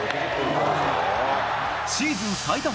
シーズン最多